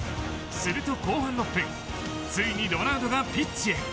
すると後半６分ついにロナウドがピッチへ。